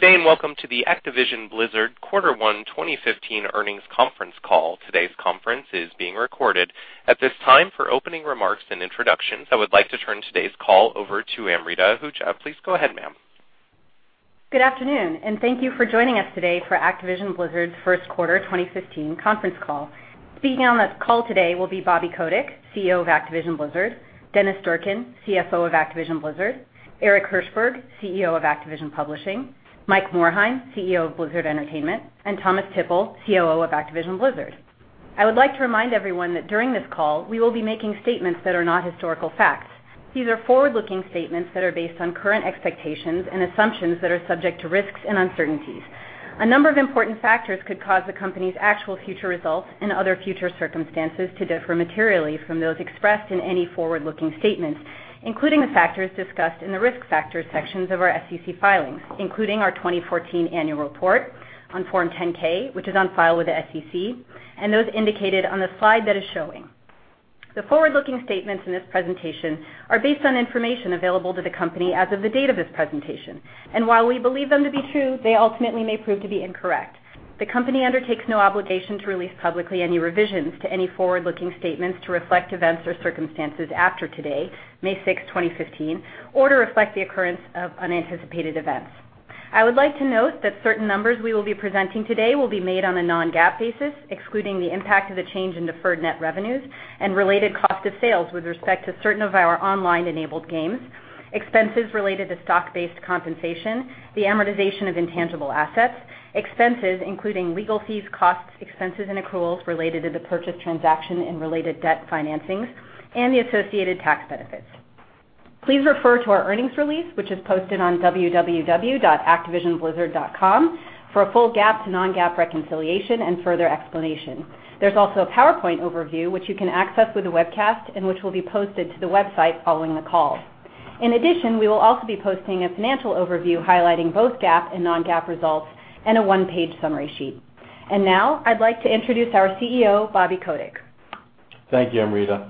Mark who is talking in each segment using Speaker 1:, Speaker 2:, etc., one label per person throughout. Speaker 1: Good day, welcome to the Activision Blizzard quarter one 2015 earnings conference call. Today's conference is being recorded. At this time, for opening remarks and introductions, I would like to turn today's call over to Amrita Ahuja. Please go ahead, ma'am.
Speaker 2: Good afternoon, thank you for joining us today for Activision Blizzard's first quarter 2015 conference call. Speaking on the call today will be Bobby Kotick, CEO of Activision Blizzard, Dennis Durkin, CFO of Activision Blizzard, Eric Hirshberg, CEO of Activision Publishing, Mike Morhaime, CEO of Blizzard Entertainment, and Thomas Tippl, COO of Activision Blizzard. I would like to remind everyone that during this call, we will be making statements that are not historical facts. These are forward-looking statements that are based on current expectations and assumptions that are subject to risks and uncertainties. A number of important factors could cause the company's actual future results and other future circumstances to differ materially from those expressed in any forward-looking statements, including the factors discussed in the Risk Factors sections of our SEC filings, including our 2014 annual report on Form 10-K, which is on file with the SEC, and those indicated on the slide that is showing. The forward-looking statements in this presentation are based on information available to the company as of the date of this presentation, and while we believe them to be true, they ultimately may prove to be incorrect. The company undertakes no obligation to release publicly any revisions to any forward-looking statements to reflect events or circumstances after today, May 6, 2015, or to reflect the occurrence of unanticipated events. I would like to note that certain numbers we will be presenting today will be made on a non-GAAP basis, excluding the impact of the change in deferred net revenues and related cost of sales with respect to certain of our online-enabled games, expenses related to stock-based compensation, the amortization of intangible assets, expenses including legal fees, costs, expenses, and accruals related to the purchase transaction and related debt financings, and the associated tax benefits. Please refer to our earnings release, which is posted on www.activisionblizzard.com for a full GAAP to non-GAAP reconciliation and further explanation. There's also a PowerPoint overview, which you can access with the webcast and which will be posted to the website following the call. In addition, we will also be posting a financial overview highlighting both GAAP and non-GAAP results and a one-page summary sheet. Now I'd like to introduce our CEO, Bobby Kotick.
Speaker 3: Thank you, Amrita.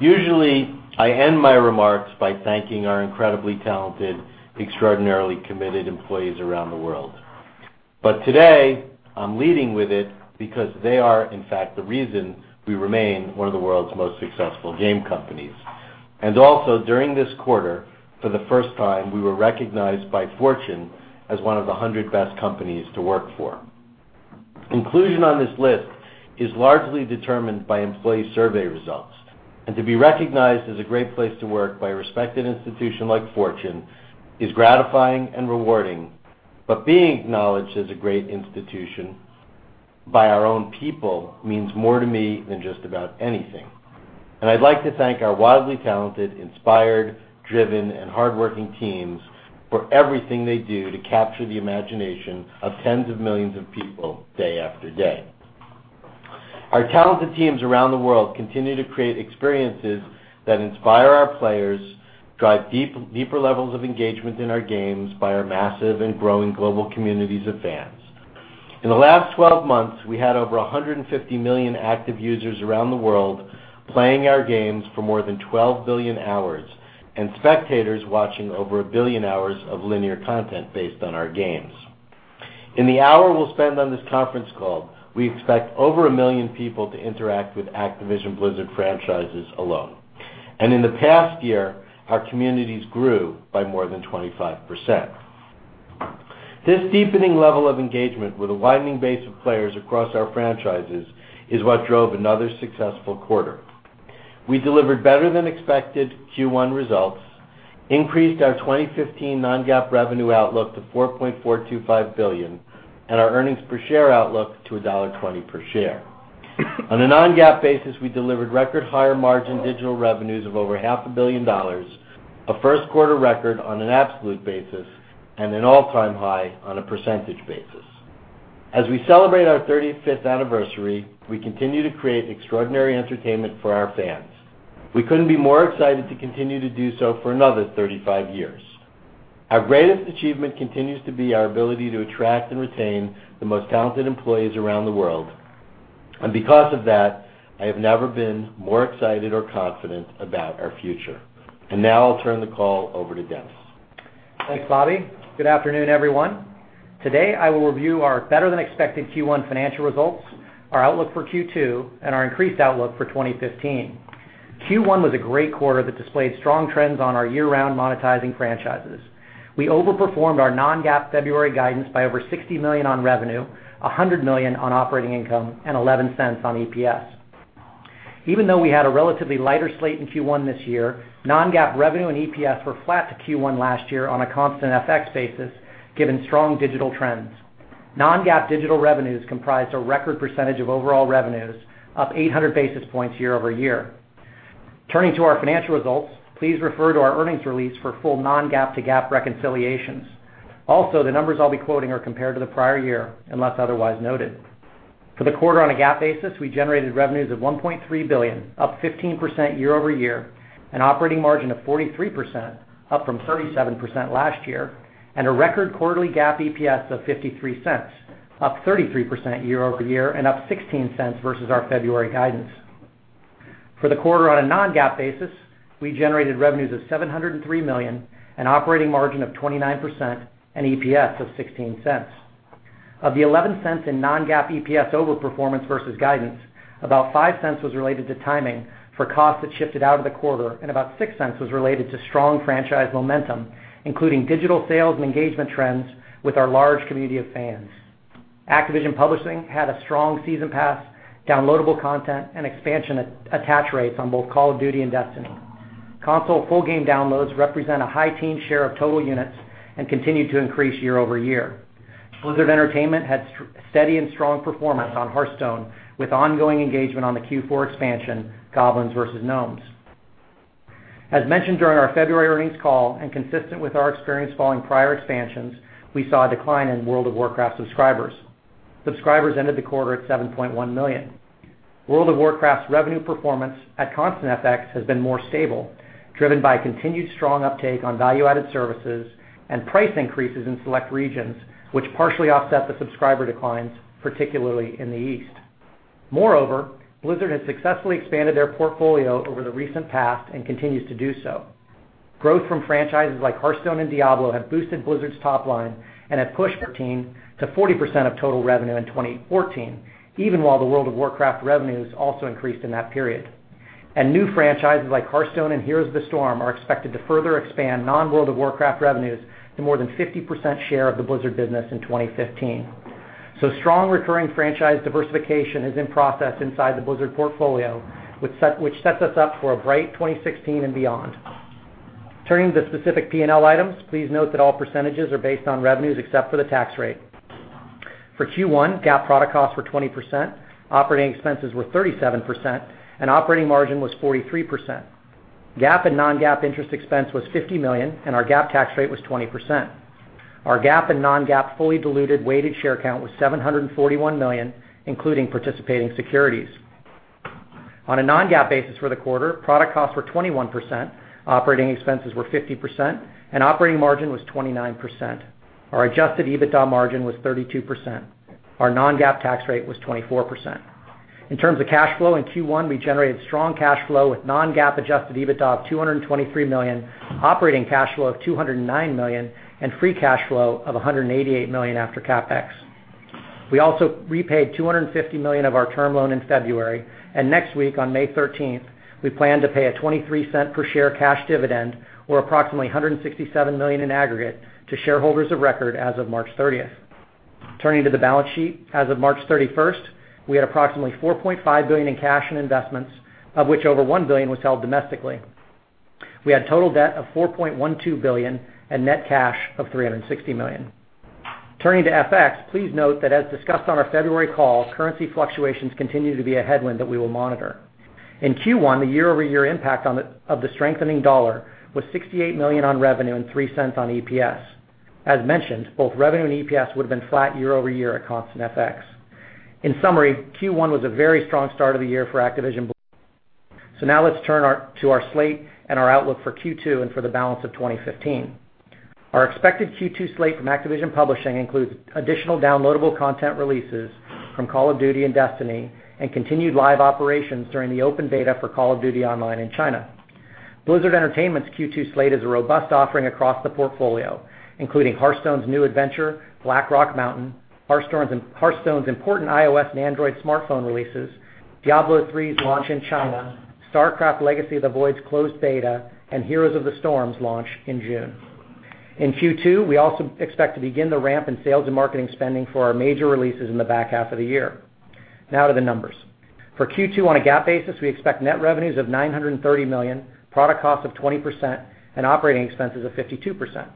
Speaker 3: Usually, I end my remarks by thanking our incredibly talented, extraordinarily committed employees around the world. Today, I'm leading with it because they are, in fact, the reason we remain one of the world's most successful game companies. Also during this quarter, for the first time, we were recognized by Fortune as one of the 100 Best Companies to Work For. Inclusion on this list is largely determined by employee survey results, to be recognized as a great place to work by a respected institution like Fortune is gratifying and rewarding. Being acknowledged as a great institution by our own people means more to me than just about anything. I'd like to thank our wildly talented, inspired, driven, and hardworking teams for everything they do to capture the imagination of tens of millions of people day after day. Our talented teams around the world continue to create experiences that inspire our players, drive deeper levels of engagement in our games by our massive and growing global communities of fans. In the last 12 months, we had over 150 million active users around the world playing our games for more than 12 billion hours, and spectators watching over 1 billion hours of linear content based on our games. In the hour we'll spend on this conference call, we expect over 1 million people to interact with Activision Blizzard franchises alone. In the past year, our communities grew by more than 25%. This deepening level of engagement with a widening base of players across our franchises is what drove another successful quarter. We delivered better-than-expected Q1 results, increased our 2015 non-GAAP revenue outlook to $4.425 billion, and our earnings per share outlook to $1.20 per share. On a non-GAAP basis, we delivered record higher-margin digital revenues of over half a billion dollars, a first quarter record on an absolute basis, and an all-time high on a percentage basis. As we celebrate our 35th anniversary, we continue to create extraordinary entertainment for our fans. We couldn't be more excited to continue to do so for another 35 years. Our greatest achievement continues to be our ability to attract and retain the most talented employees around the world. Because of that, I have never been more excited or confident about our future. Now I'll turn the call over to Dennis.
Speaker 4: Thanks, Bobby. Good afternoon, everyone. Today, I will review our better-than-expected Q1 financial results, our outlook for Q2, and our increased outlook for 2015. Q1 was a great quarter that displayed strong trends on our year-round monetizing franchises. We overperformed our non-GAAP February guidance by over $60 million on revenue, $100 million on operating income, and $0.11 on EPS. Even though we had a relatively lighter slate in Q1 this year, non-GAAP revenue and EPS were flat to Q1 last year on a constant FX basis, given strong digital trends. Non-GAAP digital revenues comprised a record percentage of overall revenues, up 800 basis points year-over-year. Turning to our financial results, please refer to our earnings release for full non-GAAP to GAAP reconciliations. The numbers I'll be quoting are compared to the prior year, unless otherwise noted. For the quarter on a GAAP basis, we generated revenues of $1.3 billion, up 15% year-over-year, an operating margin of 43%, up from 37% last year, and a record quarterly GAAP EPS of $0.53, up 33% year-over-year and up $0.16 versus our February guidance. For the quarter on a non-GAAP basis, we generated revenues of $703 million, an operating margin of 29%, and EPS of $0.16. Of the $0.11 in non-GAAP EPS over performance versus guidance, about $0.05 was related to timing for costs that shifted out of the quarter, and about $0.06 was related to strong franchise momentum, including digital sales and engagement trends with our large community of fans. Activision Publishing had a strong season pass, downloadable content, and expansion attach rates on both "Call of Duty" and "Destiny." Console full game downloads represent a high teen share of total units and continue to increase year-over-year. Blizzard Entertainment had steady and strong performance on "Hearthstone" with ongoing engagement on the Q4 expansion, "Goblins vs Gnomes." As mentioned during our February earnings call, and consistent with our experience following prior expansions, we saw a decline in "World of Warcraft" subscribers. Subscribers ended the quarter at 7.1 million. "World of Warcraft's" revenue performance at constant FX has been more stable, driven by continued strong uptake on value-added services and price increases in select regions, which partially offset the subscriber declines, particularly in the East. Moreover, Blizzard has successfully expanded their portfolio over the recent past and continues to do so. Growth from franchises like "Hearthstone" and "Diablo" have boosted Blizzard's top line and have pushed their team to 40% of total revenue in 2014, even while the "World of Warcraft" revenues also increased in that period. New franchises like "Hearthstone" and "Heroes of the Storm" are expected to further expand non-"World of Warcraft" revenues to more than 50% share of the Blizzard business in 2015. Strong recurring franchise diversification is in process inside the Blizzard portfolio, which sets us up for a bright 2016 and beyond. Turning to specific P&L items, please note that all percentages are based on revenues except for the tax rate. For Q1, GAAP product costs were 20%, operating expenses were 37%, and operating margin was 43%. GAAP and non-GAAP interest expense was $50 million, and our GAAP tax rate was 20%. Our GAAP and non-GAAP fully diluted weighted share count was 741 million, including participating securities. On a non-GAAP basis for the quarter, product costs were 21%, operating expenses were 50%, and operating margin was 29%. Our adjusted EBITDA margin was 32%. Our non-GAAP tax rate was 24%. In terms of cash flow, in Q1, we generated strong cash flow with non-GAAP adjusted EBITDA of $223 million, operating cash flow of $209 million, and free cash flow of $188 million after CapEx. We also repaid $250 million of our term loan in February, and next week, on May 13th, we plan to pay a $0.23 per share cash dividend, or approximately $167 million in aggregate, to shareholders of record as of March 30th. Turning to the balance sheet, as of March 31st, we had approximately $4.5 billion in cash and investments, of which over $1 billion was held domestically. We had total debt of $4.12 billion and net cash of $360 million. Turning to FX, please note that as discussed on our February call, currency fluctuations continue to be a headwind that we will monitor. In Q1, the year-over-year impact of the strengthening dollar was $68 million on revenue and $0.03 on EPS. As mentioned, both revenue and EPS would've been flat year-over-year at constant FX. In summary, Q1 was a very strong start of the year for Activision Blizzard. Now let's turn to our slate and our outlook for Q2 and for the balance of 2015. Our expected Q2 slate from Activision Publishing includes additional downloadable content releases from Call of Duty and Destiny and continued live operations during the open beta for Call of Duty Online in China. Blizzard Entertainment's Q2 slate is a robust offering across the portfolio, including Hearthstone's new adventure, Blackrock Mountain, Hearthstone's important iOS and Android smartphone releases, Diablo III's launch in China, StarCraft II: Legacy of the Void's closed beta, and Heroes of the Storm's launch in June. In Q2, we also expect to begin the ramp in sales and marketing spending for our major releases in the back half of the year. Now to the numbers. For Q2, on a GAAP basis, we expect net revenues of $930 million, product costs of 20%, and operating expenses of 52%.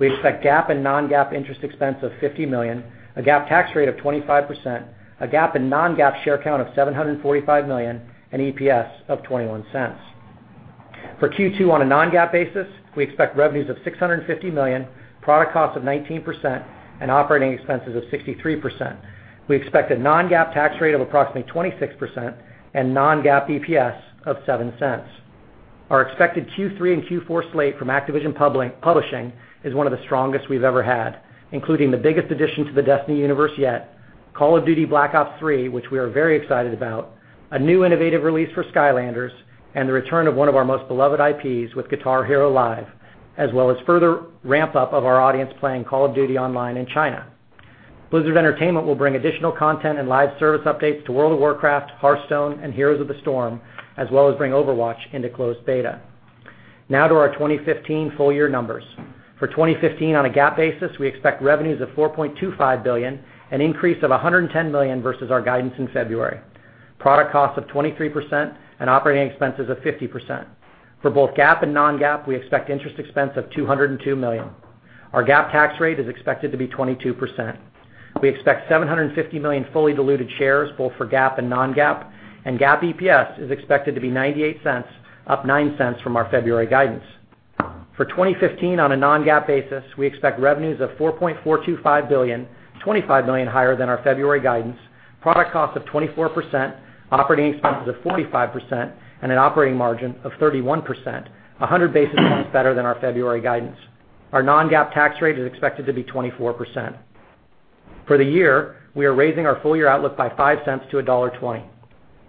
Speaker 4: We expect GAAP and non-GAAP interest expense of $50 million, a GAAP tax rate of 25%, a GAAP and non-GAAP share count of 745 million, and EPS of $0.21. For Q2 on a non-GAAP basis, we expect revenues of $650 million, product costs of 19%, and operating expenses of 63%. We expect a non-GAAP tax rate of approximately 26% and non-GAAP EPS of $0.07. Our expected Q3 and Q4 slate from Activision Publishing is one of the strongest we've ever had, including the biggest addition to the Destiny universe yet, Call of Duty: Black Ops III, which we are very excited about, a new innovative release for Skylanders, and the return of one of our most beloved IPs with Guitar Hero Live, as well as further ramp-up of our audience playing Call of Duty Online in China. Blizzard Entertainment will bring additional content and live service updates to World of Warcraft, Hearthstone, and Heroes of the Storm, as well as bring Overwatch into closed beta. Now to our 2015 full year numbers. For 2015, on a GAAP basis, we expect revenues of $4.25 billion, an increase of $110 million versus our guidance in February, product costs of 23%, and operating expenses of 50%. For both GAAP and non-GAAP, we expect interest expense of $202 million. Our GAAP tax rate is expected to be 22%. We expect 750 million fully diluted shares, both for GAAP and non-GAAP, and GAAP EPS is expected to be $0.98, up $0.09 from our February guidance. For 2015, on a non-GAAP basis, we expect revenues of $4.425 billion, $25 million higher than our February guidance, product costs of 24%, operating expenses of 45%, and an operating margin of 31%, 100 basis points better than our February guidance. Our non-GAAP tax rate is expected to be 24%. For the year, we are raising our full-year outlook by $0.05 to $1.20.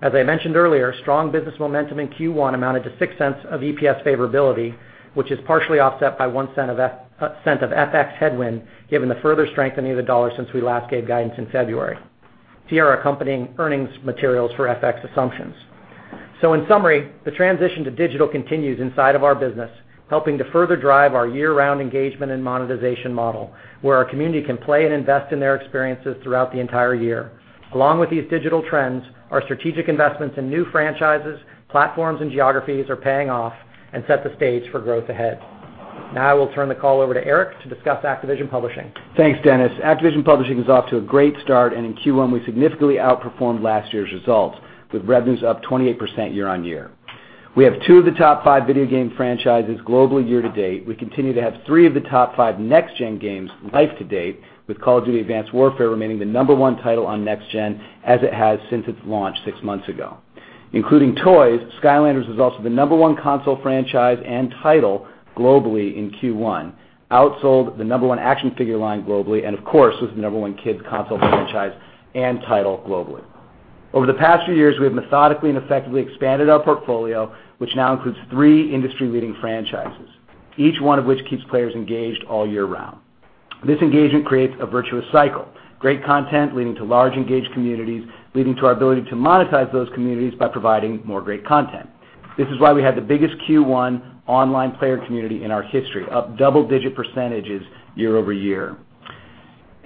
Speaker 4: As I mentioned earlier, strong business momentum in Q1 amounted to $0.06 of EPS favorability, which is partially offset by $0.01 of FX headwind, given the further strengthening of the dollar since we last gave guidance in February. See our accompanying earnings materials for FX assumptions. In summary, the transition to digital continues inside of our business, helping to further drive our year-round engagement and monetization model, where our community can play and invest in their experiences throughout the entire year. Along with these digital trends, our strategic investments in new franchises, platforms, and geographies are paying off and set the stage for growth ahead. Now I will turn the call over to Eric to discuss Activision Publishing.
Speaker 5: Thanks, Dennis. Activision Publishing is off to a great start, in Q1 we significantly outperformed last year's results, with revenues up 28% year-on-year. We have two of the top five video game franchises globally year-to-date. We continue to have three of the top five next-gen games live to date, with Call of Duty: Advanced Warfare remaining the number one title on next-gen, as it has since its launch six months ago. Including toys, Skylanders was also the number one console franchise and title globally in Q1, outsold the number one action figure line globally, and of course, was the number one kids console franchise and title globally. Over the past few years, we have methodically and effectively expanded our portfolio, which now includes three industry-leading franchises, each one of which keeps players engaged all year-round. This engagement creates a virtuous cycle, great content leading to large engaged communities, leading to our ability to monetize those communities by providing more great content. This is why we had the biggest Q1 online player community in our history, up double-digit percentages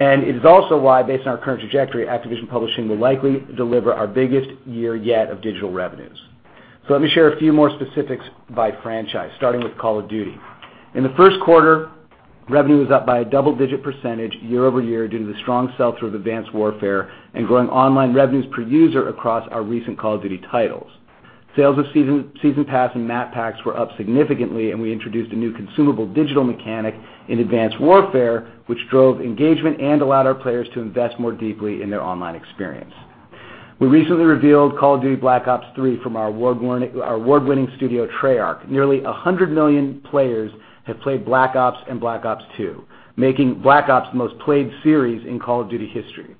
Speaker 5: year-over-year. It is also why, based on our current trajectory, Activision Publishing will likely deliver our biggest year yet of digital revenues. Let me share a few more specifics by franchise, starting with Call of Duty. In the first quarter, revenue was up by a double-digit percentage year-over-year due to the strong sell-through of Advanced Warfare and growing online revenues per user across our recent Call of Duty titles. Sales of Season Pass and Map Packs were up significantly, and we introduced a new consumable digital mechanic in Advanced Warfare which drove engagement and allowed our players to invest more deeply in their online experience. We recently revealed "Call of Duty: Black Ops III" from our award-winning studio, Treyarch. Nearly 100 million players have played "Black Ops" and "Black Ops II," making "Black Ops" the most-played series in "Call of Duty" history.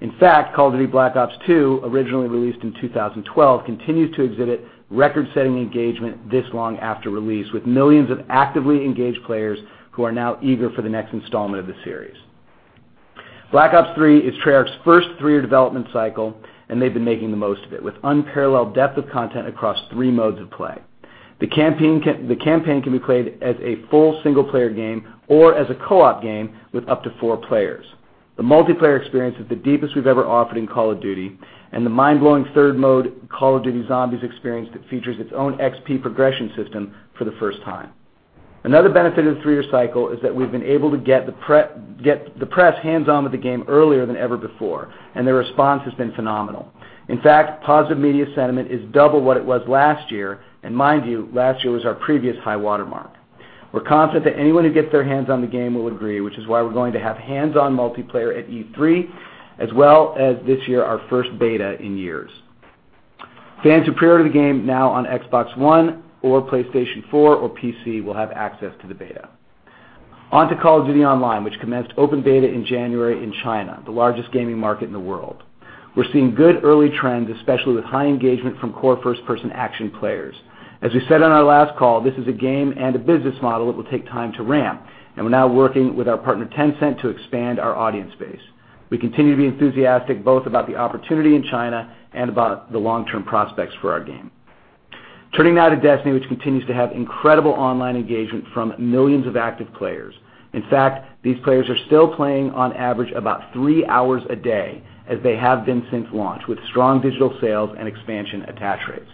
Speaker 5: In fact, "Call of Duty: Black Ops II," originally released in 2012, continues to exhibit record-setting engagement this long after release, with millions of actively engaged players who are now eager for the next installment of the series. "Black Ops III" is Treyarch's first three-year development cycle, and they've been making the most of it, with unparalleled depth of content across three modes of play. The campaign can be played as a full single-player game or as a co-op game with up to four players. The multiplayer experience is the deepest we've ever offered in "Call of Duty," and the mind-blowing third mode, "Call of Duty: Zombies," experience that features its own XP progression system for the first time. Another benefit of the three-year cycle is that we've been able to get the press hands-on with the game earlier than ever before, and their response has been phenomenal. In fact, positive media sentiment is double what it was last year. Mind you, last year was our previous high-water mark. We're confident that anyone who gets their hands on the game will agree, which is why we're going to have hands-on multiplayer at E3, as well as this year our first beta in years. Fans who pre-order the game now on Xbox One or PlayStation 4 or PC will have access to the beta. On to "Call of Duty: Online," which commenced open beta in January in China, the largest gaming market in the world. We're seeing good early trends, especially with high engagement from core first-person action players. As we said on our last call, this is a game and a business model that will take time to ramp, and we're now working with our partner, Tencent, to expand our audience base. We continue to be enthusiastic both about the opportunity in China and about the long-term prospects for our game. Turning now to "Destiny," which continues to have incredible online engagement from millions of active players. In fact, these players are still playing on average about three hours a day, as they have been since launch, with strong digital sales and expansion attach rates.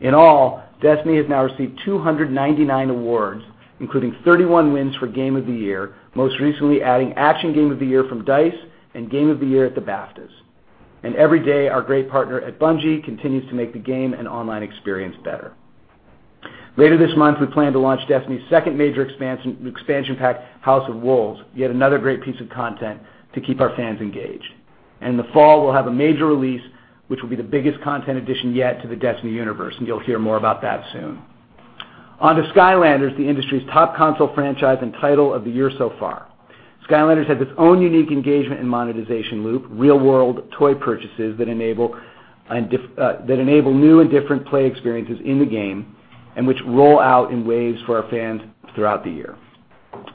Speaker 5: In all, "Destiny" has now received 299 awards, including 31 wins for Game of the Year, most recently adding Action Game of the Year from DICE and Game of the Year at the BAFTAs. Every day, our great partner at Bungie continues to make the game and online experience better. Later this month, we plan to launch Destiny's second major expansion pack, "House of Wolves," yet another great piece of content to keep our fans engaged. In the fall, we'll have a major release, which will be the biggest content addition yet to the "Destiny" universe, and you'll hear more about that soon. On to "Skylanders," the industry's top console franchise and title of the year so far. Skylanders has its own unique engagement and monetization loop, real-world toy purchases that enable new and different play experiences in the game and which roll out in waves for our fans throughout the year.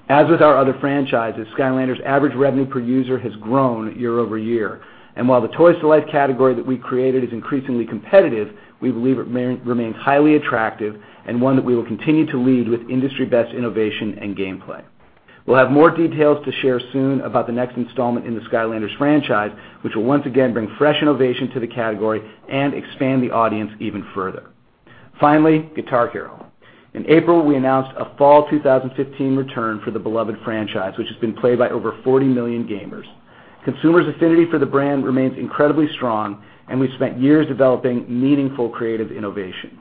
Speaker 5: As with our other franchises, Skylanders' average revenue per user has grown year-over-year. While the toys-to-life category that we created is increasingly competitive, we believe it remains highly attractive and one that we will continue to lead with industry-best innovation and gameplay. We'll have more details to share soon about the next installment in the Skylanders franchise, which will once again bring fresh innovation to the category and expand the audience even further. Finally, Guitar Hero. In April, we announced a fall 2015 return for the beloved franchise, which has been played by over 40 million gamers. Consumers' affinity for the brand remains incredibly strong, and we've spent years developing meaningful creative innovation.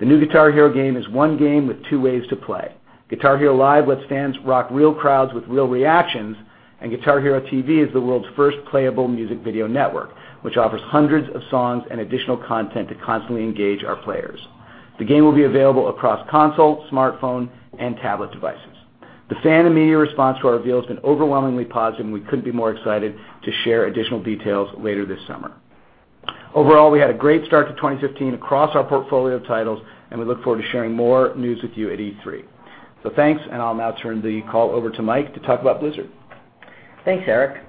Speaker 5: The new Guitar Hero game is one game with two ways to play. Guitar Hero Live lets fans rock real crowds with real reactions, and Guitar Hero TV is the world's first playable music video network, which offers hundreds of songs and additional content to constantly engage our players. The game will be available across console, smartphone, and tablet devices. The fan and media response to our reveal has been overwhelmingly positive, and we couldn't be more excited to share additional details later this summer. Overall, we had a great start to 2015 across our portfolio of titles, and we look forward to sharing more news with you at E3. Thanks, and I'll now turn the call over to Mike to talk about Blizzard.
Speaker 6: Thanks, Eric.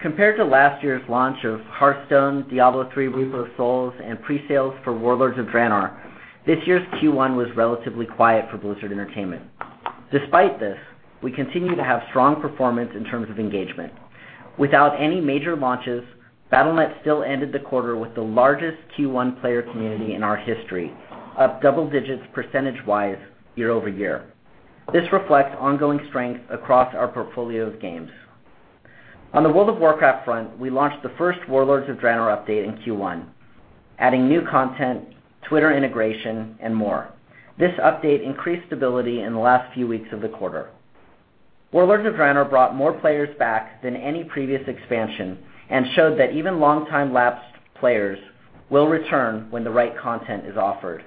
Speaker 6: Compared to last year's launch of Hearthstone, Diablo III: Reaper of Souls, and pre-sales for Warlords of Draenor, this year's Q1 was relatively quiet for Blizzard Entertainment. Despite this, we continue to have strong performance in terms of engagement. Without any major launches, Battle.net still ended the quarter with the largest Q1 player community in our history, up double digits percentage-wise year-over-year. This reflects ongoing strength across our portfolio of games. On the World of Warcraft front, we launched the first Warlords of Draenor update in Q1, adding new content, Twitter integration, and more. This update increased stability in the last few weeks of the quarter. Warlords of Draenor brought more players back than any previous expansion and showed that even long-time lapsed players will return when the right content is offered.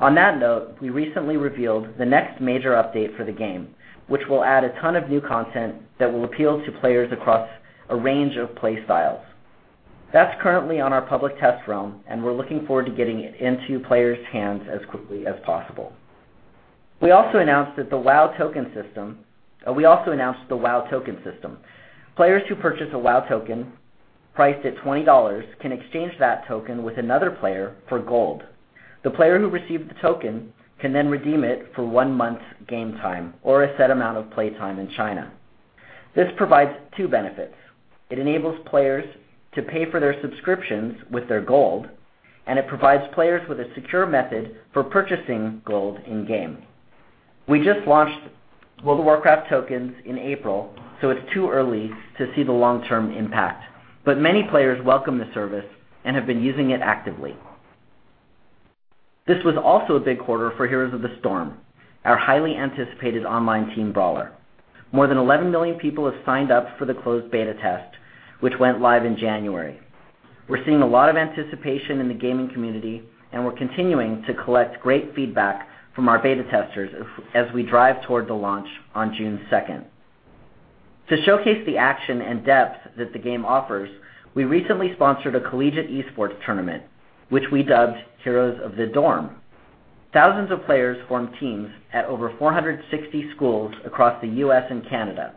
Speaker 6: On that note, we recently revealed the next major update for the game, which will add a ton of new content that will appeal to players across a range of play styles. That's currently on our public test realm, and we're looking forward to getting it into players' hands as quickly as possible. We also announced the WoW Token system. Players who purchase a WoW Token priced at $20 can exchange that token with another player for gold. The player who received the token can then redeem it for one month's game time or a set amount of play time in China. This provides two benefits. It enables players to pay for their subscriptions with their gold, and it provides players with a secure method for purchasing gold in-game. We just launched World of Warcraft Tokens in April, so it's too early to see the long-term impact. Many players welcome the service and have been using it actively. This was also a big quarter for Heroes of the Storm, our highly anticipated online team brawler. More than 11 million people have signed up for the closed beta test, which went live in January. We're seeing a lot of anticipation in the gaming community, and we're continuing to collect great feedback from our beta testers as we drive toward the launch on June 2nd. To showcase the action and depth that the game offers, we recently sponsored a collegiate esports tournament, which we dubbed Heroes of the Dorm. Thousands of players formed teams at over 460 schools across the U.S. and Canada.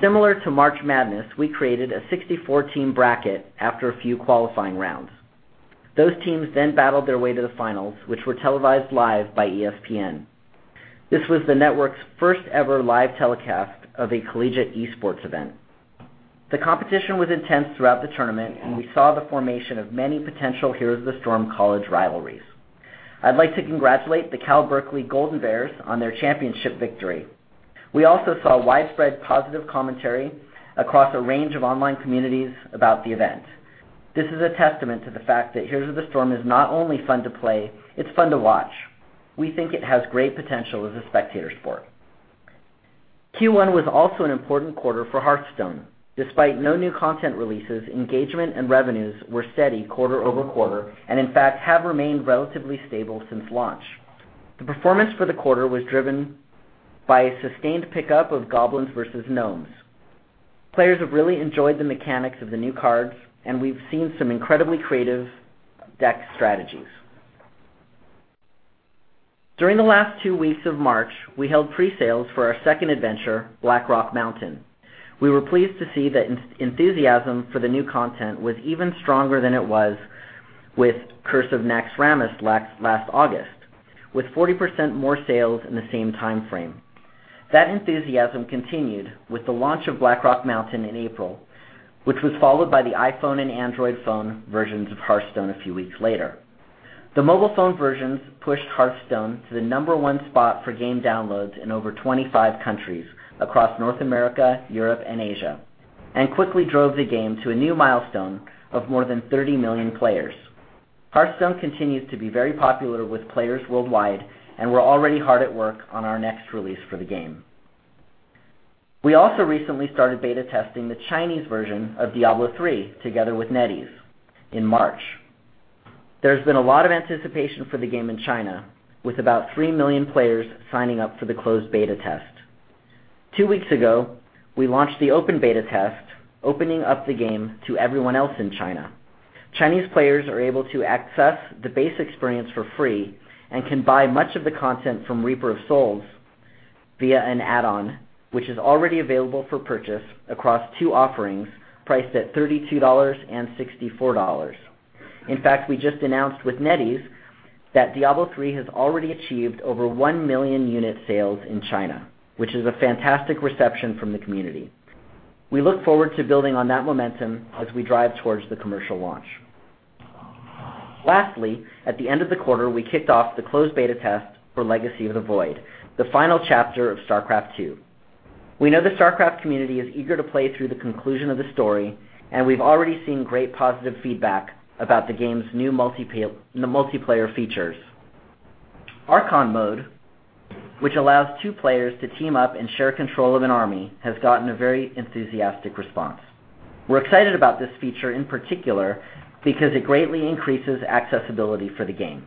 Speaker 6: Similar to March Madness, we created a 64-team bracket after a few qualifying rounds. Those teams then battled their way to the finals, which were televised live by ESPN. This was the network's first-ever live telecast of a collegiate esports event. The competition was intense throughout the tournament, and we saw the formation of many potential Heroes of the Storm college rivalries. I'd like to congratulate the Cal Berkeley Golden Bears on their championship victory. We also saw widespread positive commentary across a range of online communities about the event. This is a testament to the fact that Heroes of the Storm is not only fun to play, it's fun to watch. We think it has great potential as a spectator sport. Q1 was also an important quarter for Hearthstone. Despite no new content releases, engagement and revenues were steady quarter-over-quarter and, in fact, have remained relatively stable since launch. The performance for the quarter was driven by a sustained pickup of Goblins vs Gnomes. Players have really enjoyed the mechanics of the new cards, and we've seen some incredibly creative deck strategies. During the last two weeks of March, we held pre-sales for our second adventure, Blackrock Mountain. We were pleased to see that enthusiasm for the new content was even stronger than it was with Curse of Naxxramas last August, with 40% more sales in the same timeframe. That enthusiasm continued with the launch of Blackrock Mountain in April, which was followed by the iPhone and Android phone versions of Hearthstone a few weeks later. The mobile phone versions pushed Hearthstone to the number 1 spot for game downloads in over 25 countries across North America, Europe, and Asia, and quickly drove the game to a new milestone of more than 30 million players. Hearthstone continues to be very popular with players worldwide, we're already hard at work on our next release for the game. We also recently started beta testing the Chinese version of Diablo III together with NetEase in March. There's been a lot of anticipation for the game in China, with about 3 million players signing up for the closed beta test. Two weeks ago, we launched the open beta test, opening up the game to everyone else in China. Chinese players are able to access the base experience for free and can buy much of the content from Reaper of Souls via an add-on, which is already available for purchase across two offerings priced at $32 and $64. In fact, we just announced with NetEase that Diablo III has already achieved over 1 million unit sales in China, which is a fantastic reception from the community. We look forward to building on that momentum as we drive towards the commercial launch. Lastly, at the end of the quarter, we kicked off the closed beta test for Legacy of the Void, the final chapter of StarCraft II. We know the StarCraft community is eager to play through the conclusion of the story, and we've already seen great positive feedback about the game's new multiplayer features. Archon Mode, which allows two players to team up and share control of an army, has gotten a very enthusiastic response. We're excited about this feature in particular because it greatly increases accessibility for the game.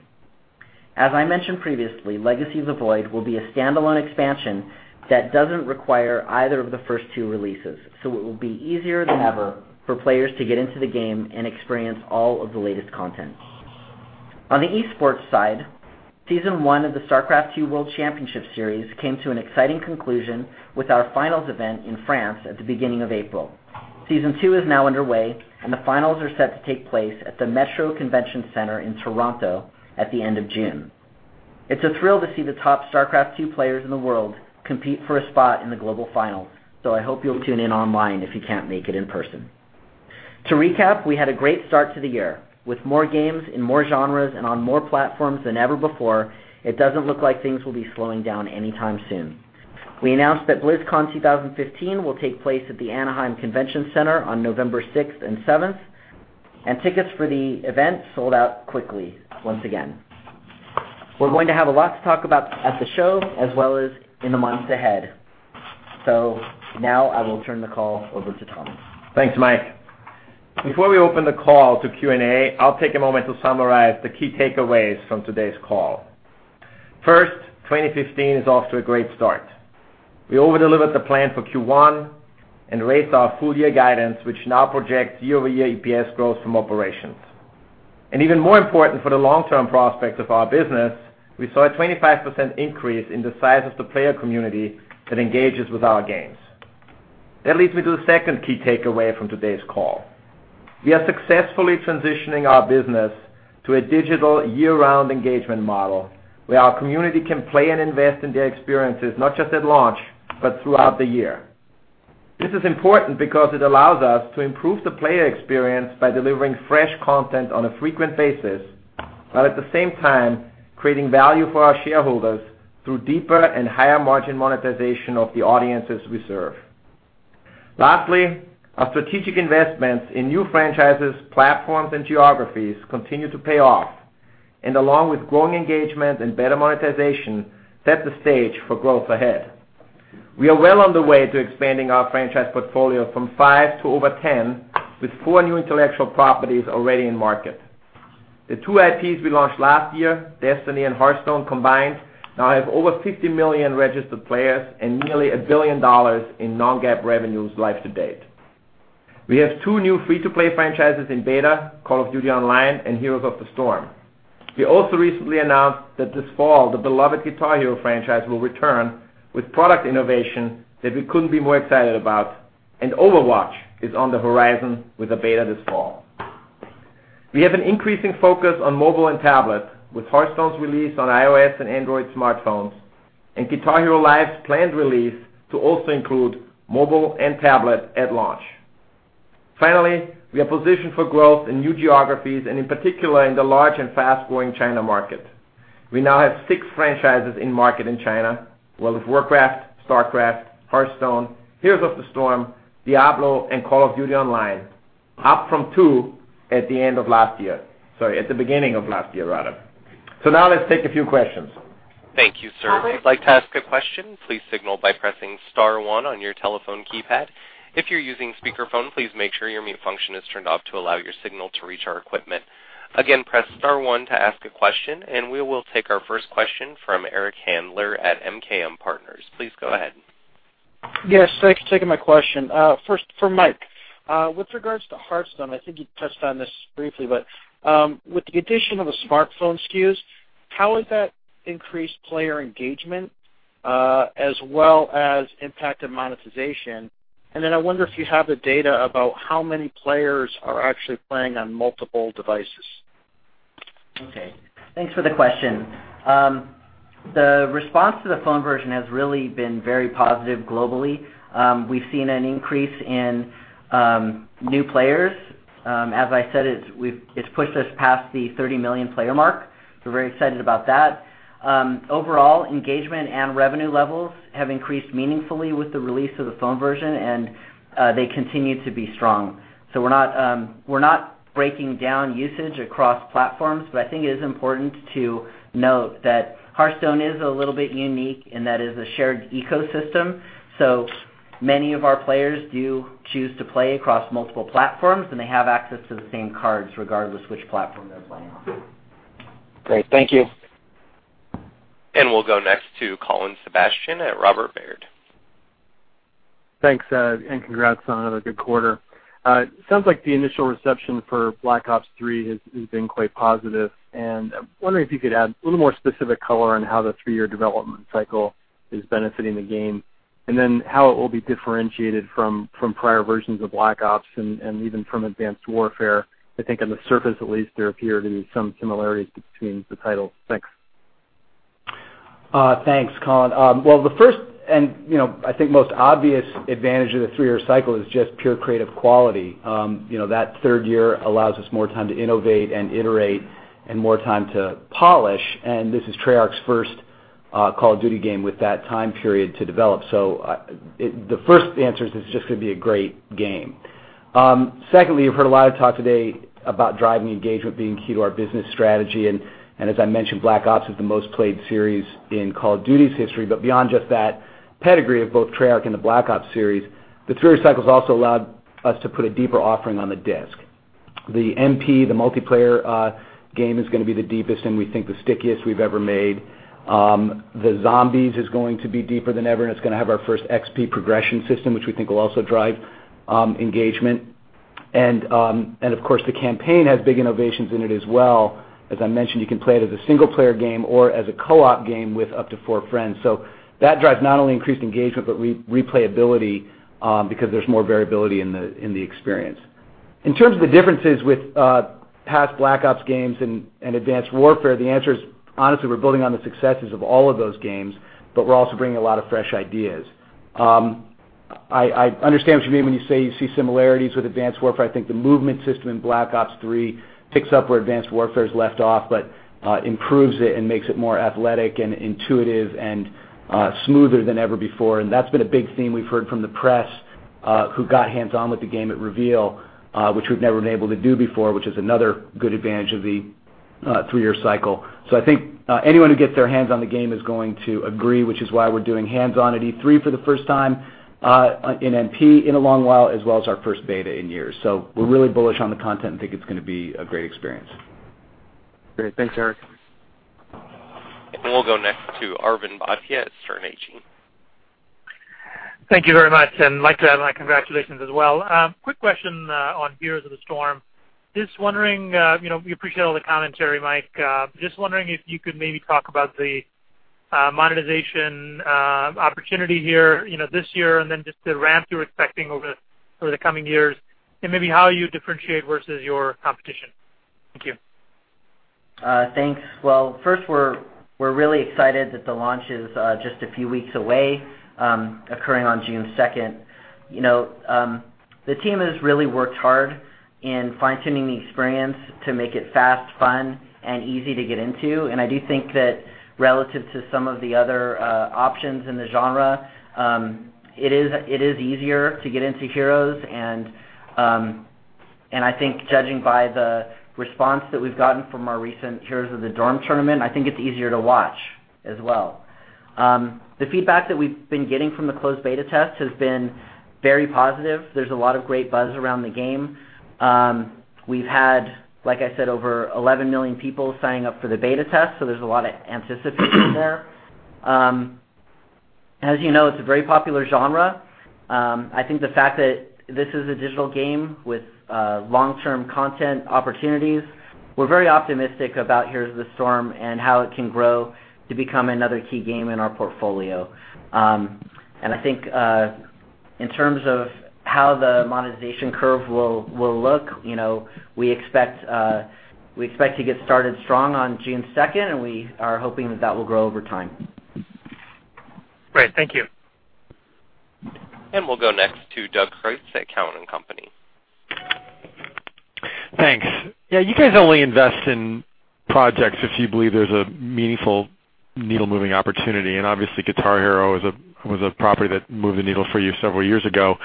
Speaker 6: As I mentioned previously, Legacy of the Void will be a standalone expansion that doesn't require either of the first two releases. It will be easier than ever for players to get into the game and experience all of the latest content. On the esports side, season one of the StarCraft II World Championship Series came to an exciting conclusion with our finals event in France at the beginning of April. Season two is now underway. The finals are set to take place at the Metro Toronto Convention Centre in Toronto at the end of June. It's a thrill to see the top StarCraft II players in the world compete for a spot in the global finals. I hope you'll tune in online if you can't make it in person. To recap, we had a great start to the year. With more games in more genres and on more platforms than ever before, it doesn't look like things will be slowing down anytime soon. We announced that BlizzCon 2015 will take place at the Anaheim Convention Center on November sixth and seventh. Tickets for the event sold out quickly once again. We're going to have a lot to talk about at the show as well as in the months ahead. Now I will turn the call over to Thomas.
Speaker 7: Thanks, Mike. Before we open the call to Q&A, I'll take a moment to summarize the key takeaways from today's call. First, 2015 is off to a great start. We over-delivered the plan for Q1 and raised our full year guidance, which now projects year-over-year EPS growth from operations. Even more important for the long-term prospects of our business, we saw a 25% increase in the size of the player community that engages with our games. That leads me to the second key takeaway from today's call. We are successfully transitioning our business to a digital year-round engagement model where our community can play and invest in their experiences, not just at launch, but throughout the year. This is important because it allows us to improve the player experience by delivering fresh content on a frequent basis, while at the same time creating value for our shareholders through deeper and higher margin monetization of the audiences we serve. Lastly, our strategic investments in new franchises, platforms, and geographies continue to pay off and, along with growing engagement and better monetization, set the stage for growth ahead. We are well on the way to expanding our franchise portfolio from 5 to over 10 with 4 new intellectual properties already in market. The two IPs we launched last year, Destiny and Hearthstone, combined now have over 50 million registered players and nearly $1 billion in non-GAAP revenues life to date. We have two new free-to-play franchises in beta, Call of Duty Online and Heroes of the Storm. We also recently announced that this fall, the beloved Guitar Hero franchise will return with product innovation that we couldn't be more excited about, and Overwatch is on the horizon with a beta this fall. We have an increasing focus on mobile and tablet with Hearthstone's release on iOS and Android smartphones and Guitar Hero Live's planned release to also include mobile and tablet at launch. Finally, we are positioned for growth in new geographies and in particular in the large and fast-growing China market. We now have 6 franchises in-market in China, World of Warcraft, StarCraft, Hearthstone, Heroes of the Storm, Diablo, and Call of Duty Online, up from 2 at the end of last year. Sorry, at the beginning of last year, rather. Now let's take a few questions.
Speaker 1: Thank you, sir. If you'd like to ask a question, please signal by pressing star one on your telephone keypad. If you're using speakerphone, please make sure your mute function is turned off to allow your signal to reach our equipment. Again, press star one to ask a question, and we will take our first question from Eric Handler at MKM Partners. Please go ahead.
Speaker 8: Yes, thanks for taking my question. First, for Mike, with regards to Hearthstone, I think you touched on this briefly, but with the addition of the smartphone SKUs, how has that increased player engagement as well as impacted monetization? I wonder if you have the data about how many players are actually playing on multiple devices.
Speaker 6: Okay, thanks for the question. The response to the phone version has really been very positive globally. We've seen an increase in new players. As I said, it's pushed us past the 30 million player mark. We're very excited about that. Overall engagement and revenue levels have increased meaningfully with the release of the phone version, and they continue to be strong. We're not breaking down usage across platforms, but I think it is important to note that Hearthstone is a little bit unique in that it is a shared ecosystem. Many of our players do choose to play across multiple platforms, and they have access to the same cards regardless of which platform they're playing on.
Speaker 8: Great. Thank you.
Speaker 1: We'll go next to Colin Sebastian at Robert W. Baird.
Speaker 9: Thanks, and congrats on another good quarter. It sounds like the initial reception for Black Ops III has been quite positive, and I'm wondering if you could add a little more specific color on how the three-year development cycle is benefiting the game, and how it will be differentiated from prior versions of Black Ops and even from Advanced Warfare. I think on the surface at least, there appear to be some similarities between the titles. Thanks.
Speaker 5: Thanks, Colin. Well, the first and I think most obvious advantage of the three-year cycle is just pure creative quality. That third year allows us more time to innovate and iterate and more time to polish. This is Treyarch's first A Call of Duty game with that time period to develop. The first answer is it's just going to be a great game. Secondly, you've heard a lot of talk today about driving engagement being key to our business strategy, and as I mentioned, Black Ops is the most played series in Call of Duty's history. Beyond just that pedigree of both Treyarch and the Black Ops series, the three-year cycle has also allowed us to put a deeper offering on the disc. The MP, the multiplayer game, is going to be the deepest and we think the stickiest we've ever made. The Zombies is going to be deeper than ever, and it's going to have our first XP progression system, which we think will also drive engagement. Of course, the campaign has big innovations in it as well. As I mentioned, you can play it as a single-player game or as a co-op game with up to four friends. That drives not only increased engagement but replayability, because there's more variability in the experience. In terms of the differences with past Black Ops games and Advanced Warfare, the answer is, honestly, we're building on the successes of all of those games, but we're also bringing a lot of fresh ideas. I understand what you mean when you say you see similarities with Advanced Warfare. I think the movement system in Black Ops III picks up where Advanced Warfare has left off, but improves it and makes it more athletic and intuitive and smoother than ever before. That's been a big theme we've heard from the press, who got hands-on with the game at reveal, which we've never been able to do before, which is another good advantage of the three-year cycle. I think anyone who gets their hands on the game is going to agree, which is why we're doing hands-on at E3 for the first time in MP in a long while, as well as our first beta in years. We're really bullish on the content and think it's going to be a great experience.
Speaker 9: Great. Thanks, Eric.
Speaker 1: We'll go next to Arvind Bhatia at Sterne Agee.
Speaker 10: Thank you very much. Mike, I'd like to add my congratulations as well. Quick question on Heroes of the Storm. We appreciate all the commentary, Mike. Just wondering if you could maybe talk about the monetization opportunity here this year, then just the ramp you're expecting over the coming years, maybe how you differentiate versus your competition. Thank you.
Speaker 6: Thanks. Well, first, we're really excited that the launch is just a few weeks away, occurring on June 2nd. The team has really worked hard in fine-tuning the experience to make it fast, fun, easy to get into. I do think that relative to some of the other options in the genre, it is easier to get into Heroes, I think judging by the response that we've gotten from our recent Heroes of the Dorm tournament, I think it's easier to watch as well. The feedback that we've been getting from the closed beta test has been very positive. There's a lot of great buzz around the game. We've had, like I said, over 11 million people signing up for the beta test, so there's a lot of anticipation there. As you know, it's a very popular genre. I think the fact that this is a digital game with long-term content opportunities, we're very optimistic about Heroes of the Storm and how it can grow to become another key game in our portfolio. I think in terms of how the monetization curve will look, we expect to get started strong on June 2nd, we are hoping that that will grow over time.
Speaker 10: Great. Thank you.
Speaker 1: We'll go next to Doug Creutz at Cowen and Company.
Speaker 11: Thanks. You guys only invest in projects if you believe there's a meaningful needle-moving opportunity, and obviously Guitar Hero was a property that moved the needle for you several years ago.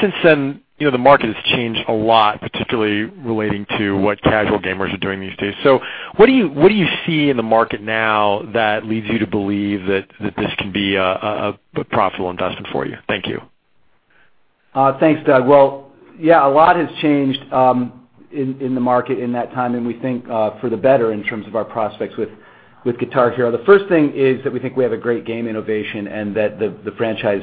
Speaker 11: Since then, the market has changed a lot, particularly relating to what casual gamers are doing these days. What do you see in the market now that leads you to believe that this can be a profitable investment for you? Thank you.
Speaker 5: Thanks, Doug. A lot has changed in the market in that time, and we think for the better in terms of our prospects with Guitar Hero. The first thing is that we think we have a great game innovation and that the franchise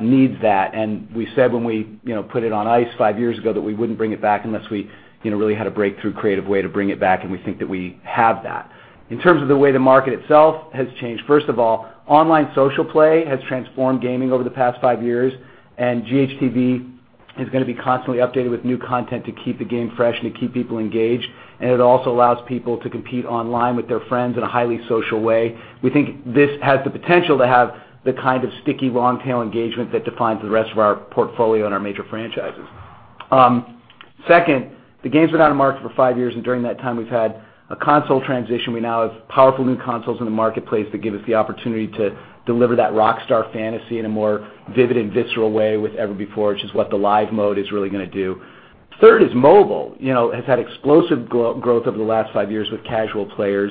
Speaker 5: needs that. We said when we put it on ice five years ago that we wouldn't bring it back unless we really had a breakthrough creative way to bring it back, and we think that we have that. In terms of the way the market itself has changed, first of all, online social play has transformed gaming over the past five years, and GHTV is going to be constantly updated with new content to keep the game fresh and to keep people engaged. It also allows people to compete online with their friends in a highly social way. We think this has the potential to have the kind of sticky long-tail engagement that defines the rest of our portfolio and our major franchises. Second, the game's been out of market for five years. During that time, we've had a console transition. We now have powerful new consoles in the marketplace that give us the opportunity to deliver that rockstar fantasy in a more vivid and visceral way with ever before, which is what the live mode is really going to do. Third is mobile. It's had explosive growth over the last five years with casual players.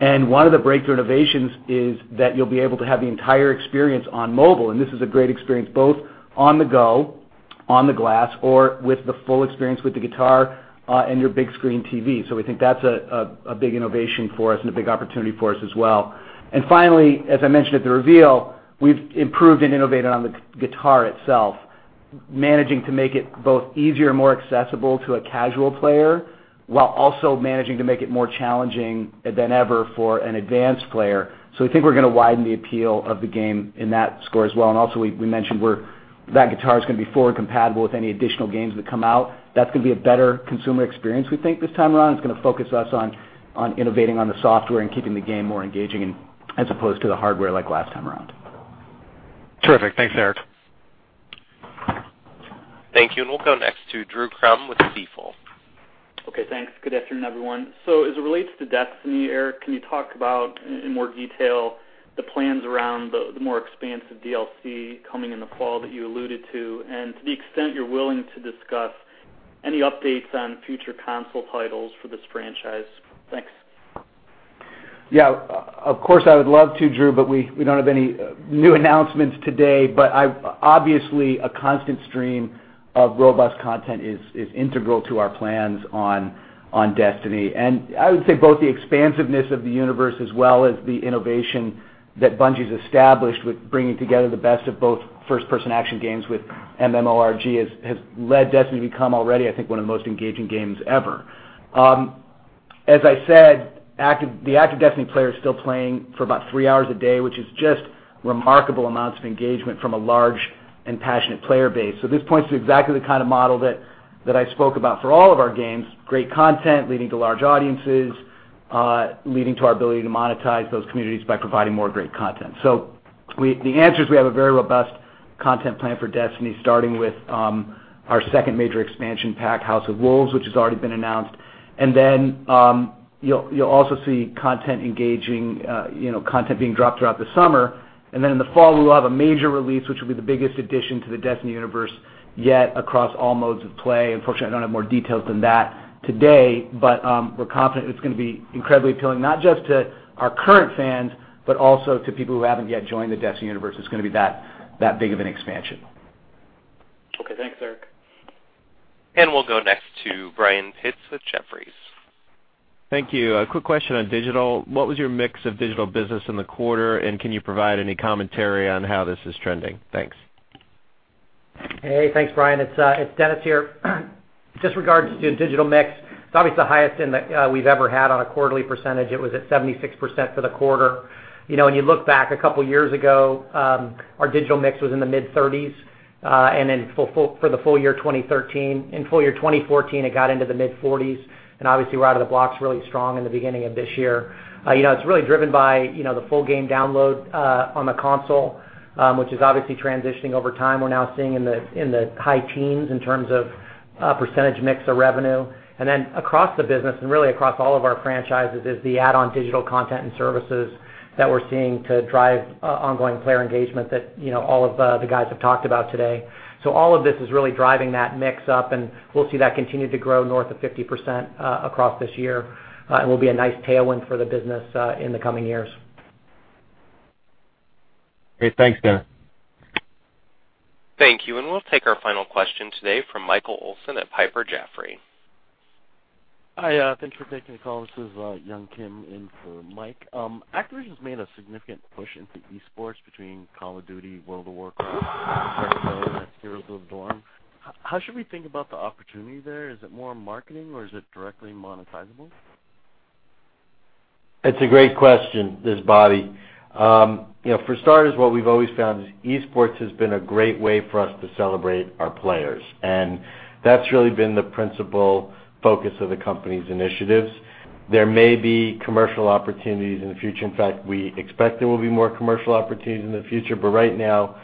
Speaker 5: One of the breakthrough innovations is that you'll be able to have the entire experience on mobile. This is a great experience both on the go, on the glass, or with the full experience with the guitar and your big screen TV. We think that's a big innovation for us and a big opportunity for us as well. Finally, as I mentioned at the reveal, we've improved and innovated on the guitar itself, managing to make it both easier and more accessible to a casual player while also managing to make it more challenging than ever for an advanced player. We think we're going to widen the appeal of the game in that score as well. Also we mentioned that guitar is going to be forward compatible with any additional games that come out. That's going to be a better consumer experience, we think, this time around. It's going to focus us on innovating on the software and keeping the game more engaging as opposed to the hardware like last time around.
Speaker 11: Terrific. Thanks, Eric.
Speaker 1: Thank you. We'll go next to Drew Crum with Stifel.
Speaker 12: Okay, thanks. Good afternoon, everyone. As it relates to Destiny, Eric, can you talk about, in more detail, the plans around the more expansive DLC coming in the fall that you alluded to? To the extent you're willing to discuss, any updates on future console titles for this franchise? Thanks.
Speaker 5: Yeah. Of course, I would love to, Drew, but we don't have any new announcements today. Obviously, a constant stream of robust content is integral to our plans on Destiny. I would say both the expansiveness of the universe as well as the innovation that Bungie's established with bringing together the best of both first-person action games with MMORPG has led Destiny to become already, I think, one of the most engaging games ever. As I said, the active Destiny players are still playing for about three hours a day, which is just remarkable amounts of engagement from a large and passionate player base. This points to exactly the kind of model that I spoke about for all of our games. Great content leading to large audiences, leading to our ability to monetize those communities by providing more great content. The answer is we have a very robust content plan for Destiny, starting with our second major expansion pack, House of Wolves, which has already been announced. You'll also see content engaging, content being dropped throughout the summer. In the fall, we will have a major release, which will be the biggest addition to the Destiny universe yet across all modes of play. Unfortunately, I don't have more details than that today. We're confident it's going to be incredibly appealing, not just to our current fans, but also to people who haven't yet joined the Destiny universe. It's going to be that big of an expansion.
Speaker 12: Okay. Thanks, Eric.
Speaker 1: We'll go next to Brian Pitz with Jefferies.
Speaker 13: Thank you. A quick question on digital. What was your mix of digital business in the quarter, and can you provide any commentary on how this is trending? Thanks.
Speaker 4: Hey, thanks, Brian. It's Dennis here. Just regards to digital mix, it's obviously the highest we've ever had on a quarterly percentage. It was at 76% for the quarter. When you look back a couple of years ago, our digital mix was in the mid-thirties. Then for the full year 2013 and full year 2014, it got into the mid-forties, and obviously we're out of the blocks really strong in the beginning of this year. It's really driven by the full game download on the console, which is obviously transitioning over time. We're now seeing in the high teens in terms of percentage mix of revenue. Then across the business and really across all of our franchises is the add-on digital content and services that we're seeing to drive ongoing player engagement that all of the guys have talked about today. All of this is really driving that mix up, and we'll see that continue to grow north of 50% across this year. It will be a nice tailwind for the business in the coming years.
Speaker 13: Great. Thanks, Dennis.
Speaker 1: Thank you. We'll take our final question today from Michael Olson at Piper Jaffray.
Speaker 14: Hi. Thanks for taking the call. This is Yung Kim in for Mike. Activision's made a significant push into esports between Call of Duty, World of Warcraft, Heroes of the Dorm. How should we think about the opportunity there? Is it more marketing or is it directly monetizable?
Speaker 3: It's a great question. This is Bobby. For starters, what we've always found is esports has been a great way for us to celebrate our players, and that's really been the principal focus of the company's initiatives. There may be commercial opportunities in the future. In fact, we expect there will be more commercial opportunities in the future. Right now,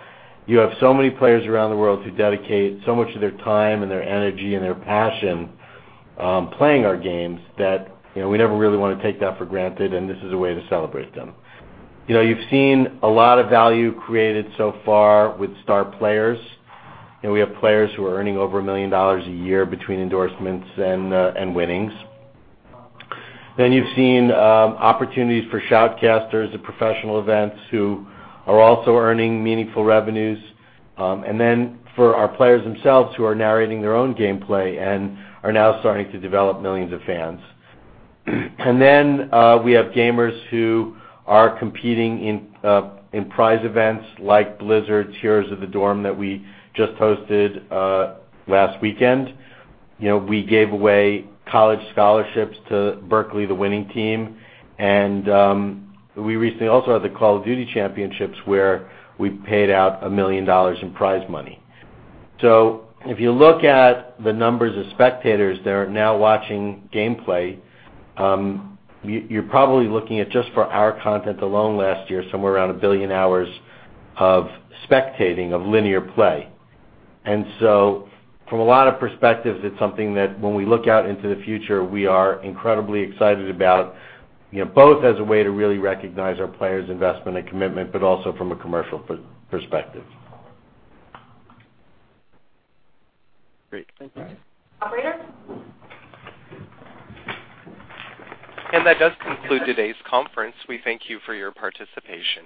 Speaker 3: you have so many players around the world who dedicate so much of their time and their energy and their passion playing our games that we never really want to take that for granted, and this is a way to celebrate them. You've seen a lot of value created so far with star players. We have players who are earning over $1 million a year between endorsements and winnings. You've seen opportunities for shoutcasters at professional events who are also earning meaningful revenues.
Speaker 5: For our players themselves, who are narrating their own gameplay and are now starting to develop millions of fans. We have gamers who are competing in prize events like Blizzard's Heroes of the Dorm that we just hosted last weekend. We gave away college scholarships to Berkeley, the winning team. We recently also had the Call of Duty Championships, where we paid out $1 million in prize money. If you look at the numbers of spectators that are now watching gameplay, you're probably looking at, just for our content alone last year, somewhere around 1 billion hours of spectating, of linear play. From a lot of perspectives, it's something that when we look out into the future, we are incredibly excited about both as a way to really recognize our players' investment and commitment, but also from a commercial perspective.
Speaker 14: Great. Thank you.
Speaker 4: Operator?
Speaker 1: That does conclude today's conference. We thank you for your participation.